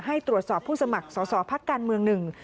ให้ตรวจสอบผู้สมัครสอสอพักการเมืองหนึ่ง